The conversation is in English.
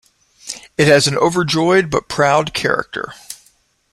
It has an overjoyed but proud character.